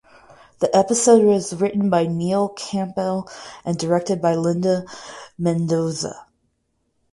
The episode was written by Neil Campbell and directed by Linda Mendoza.